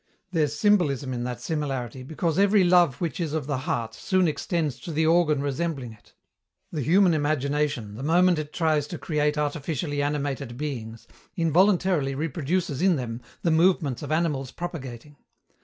There's symbolism in that similarity, because every love which is of the heart soon extends to the organ resembling it. The human imagination, the moment it tries to create artificially animated beings, involuntarily reproduces in them the movements of animals propagating.